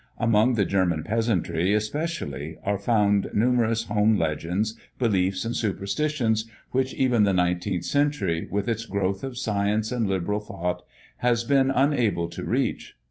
Among the German peasantry, especially, are found numerous home legends, beliefs and superstitions which even the nineteenth century, with its growth of science and liberal thought, has been unable to reach.